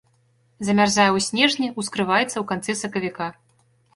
Замярзае ў снежні, ускрываецца ў канцы сакавіка.